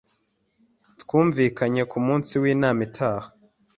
Twumvikanye ku munsi w'inama itaha.